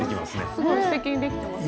すごいすてきにできていますよ。